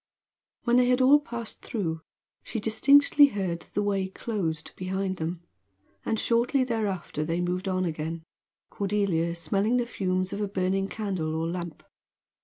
When they had all passed through she distinctly heard the way closed behind them; and shortly thereafter they moved on again, Cordelia smelling the fumes of a burning candle or lamp.